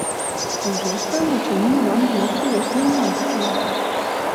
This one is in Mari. «Ӱжеш гын, очыни, молан гынат кӱлеш лийынам», — шоналтыш.